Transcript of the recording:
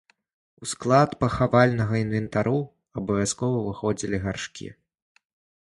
У склад пахавальнага інвентару абавязкова ўваходзілі гаршкі.